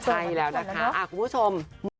ใช่แล้วนะคะคุณผู้ชม